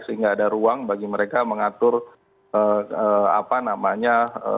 sehingga ada ruang bagi mereka mengatur apa namanya